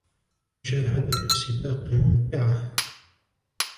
مشاهدة السباق ممتعة.